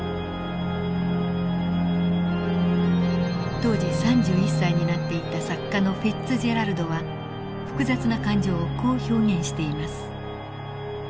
当時３１歳になっていた作家のフィッツジェラルドは複雑な感情をこう表現しています。